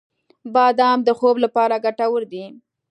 • بادام د خوب لپاره ګټور دی.